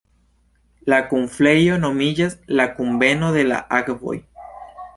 La kunfluejo nomiĝas "la kunveno de la akvoj".